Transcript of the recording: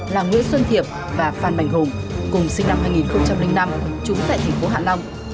là nguyễn xuân thiệp và phan bảnh hùng cùng sinh năm hai nghìn năm trúng tại tp hạ long